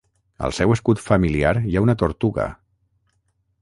Al seu escut familiar hi ha una tortuga.